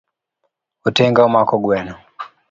Otenga omako gweno.